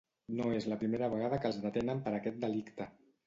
No és la primera vegada que els detenen per aquest delicte.